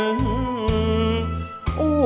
อ้วนละคน